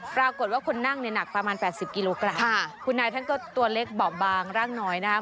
ปรากฏว่าคนนั่งเนี่ยหนักประมาณ๘๐กิโลกรัมคุณนายท่านก็ตัวเล็กเบาะบางร่างน้อยนะครับ